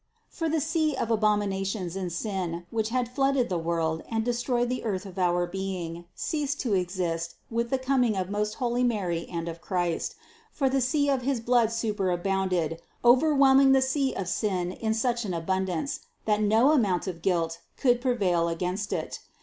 For the sea of abomina tions and sin, which had flooded the world and destroyed the earth of our being, ceased to exist with the coming of most holy Mary and of Christ; for the sea of his blood superabounded, overwhelming the sea of sin in such an abundance, that no amount of guilt could pre vail against it.